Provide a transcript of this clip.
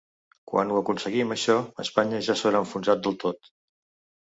Quan ho aconseguim això, Espanya ja s’haurà enfonsat del tot.